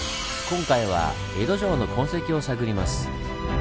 今回は江戸城の痕跡を探ります。